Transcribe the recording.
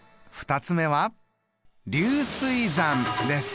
２つ目は流水算です。